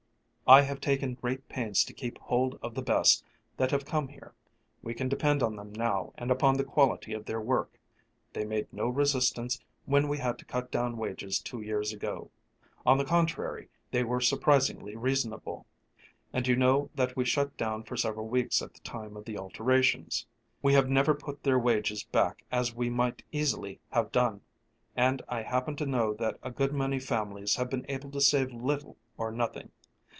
"I have taken great pains to keep hold of the best that have come here; we can depend upon them now and upon the quality of their work. They made no resistance when we had to cut down wages two years ago; on the contrary, they were surprisingly reasonable, and you know that we shut down for several weeks at the time of the alterations. We have never put their wages back as we might easily have done, and I happen to know that a good many families have been able to save little or nothing.